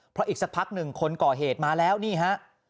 เพราะอีกสักพักหนึ่งคนก่อเหตุมาแล้วนี่ฮะ